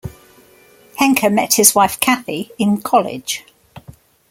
Henke met his wife Kathy in college.